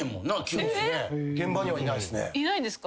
現場にはいないっすね。